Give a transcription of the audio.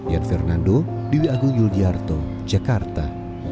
yan fernando dewi agung yuliartho jakarta